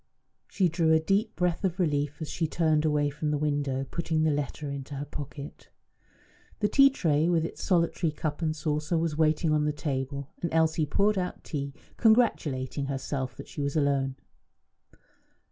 She drew a deep breath of relief as she turned away from the window, putting the letter into her pocket. The tea tray, with its solitary cup and saucer, was waiting on the table, and Elsie poured out tea, congratulating herself that she was alone.